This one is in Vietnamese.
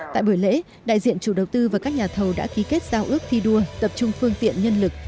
tại buổi lễ đại diện chủ đầu tư và các nhà thầu đã ký kết giao ước thi đua tập trung phương tiện nhân lực